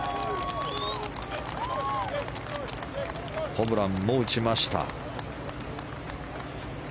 ホブランも打ちました。